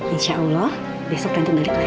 insya allah besok nanti balik lagi